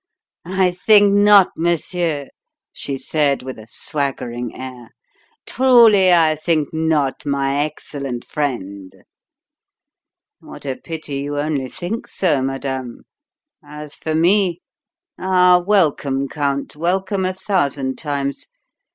"I think not, monsieur," she said, with a swaggering air. "Truly, I think not, my excellent friend." "What a pity you only think so, madame! As for me Ah, welcome, Count, welcome a thousand times.